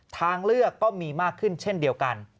ทางเลือกก็มีมากขึ้นเช่นเดียวกัน